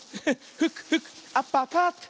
フックフックアッパーカット！